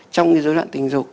trong cái dối loạn tình dục